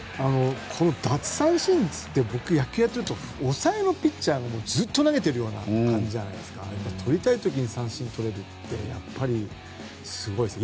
奪三振って野球をやっていると抑えのピッチャーがずっと投げているような感じがあるんですがとりたい時に三振とれるってすごいですね。